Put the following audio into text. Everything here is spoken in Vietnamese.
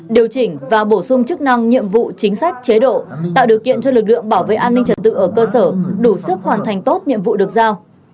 điều chỉnh và bổ sung chức năng nhiệm vụ chính sách chế độ tạo điều kiện cho lực lượng bảo vệ an ninh trật tự ở cơ sở đủ sức hoàn thành tốt nhiệm vụ được giao